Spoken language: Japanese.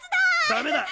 ダメだ。